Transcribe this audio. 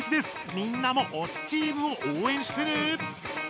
みんなもおしチームをおうえんしてね！